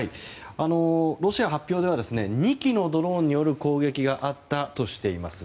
ロシアの発表では２機のドローンによる攻撃があったとしています。